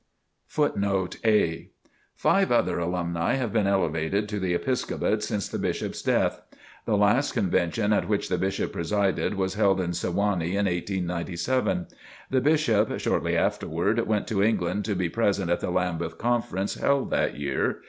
Footnote A: Five other alumni have been elevated to the Episcopate since the Bishop's death. The last Convention at which the Bishop presided, was held in Sewanee in 1897. The Bishop, shortly afterward, went to England to be present at the Lambeth Conference held that year.